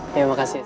oh ya makasih